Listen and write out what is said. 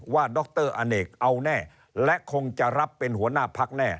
ดรอเนกเอาแน่และคงจะรับเป็นหัวหน้าพักแน่